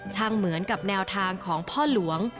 เหมือนกับแนวทางของพ่อหลวง